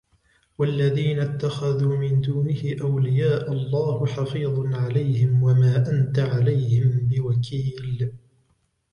والذين اتخذوا من دونه أولياء الله حفيظ عليهم وما أنت عليهم بوكيل